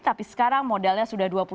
tapi sekarang modalnya sudah dua puluh